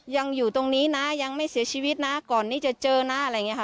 ยังอยู่ตรงนี้นะยังไม่เสียชีวิตนะก่อนนี้จะเจอนะอะไรอย่างนี้ค่ะ